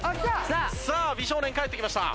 さあ美少年帰ってきました。